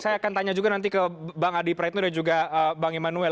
saya akan tanya juga nanti ke bang adi praetno dan juga bang immanuel